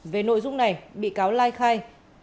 về nội dung này bị cáo lai khai